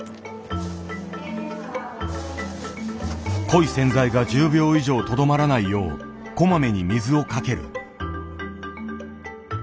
濃い洗剤が１０秒以上とどまらないようこまめに水をかける。